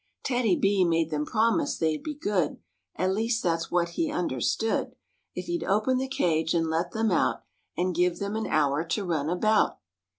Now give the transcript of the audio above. TEDDY B made them promise they'd be good (At least that's what he understood) If he'd open the cage and let them out And give them an hour to run about.